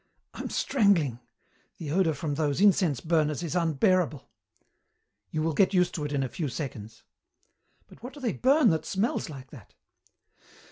"I'm strangling. The odour from those incense burners is unbearable." "You will get used to it in a few seconds." "But what do they burn that smells like that?"